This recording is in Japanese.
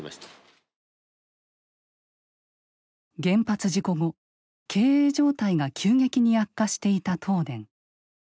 原発事故後経営状態が急激に悪化していた東電。